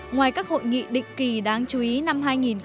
ngoài các hội nghị định kỳ đáng chú ý năm hai nghìn một mươi chín